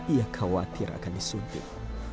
ia khawatir akan disuntik